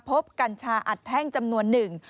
พบกัญชาอัดแท่งจำนวน๑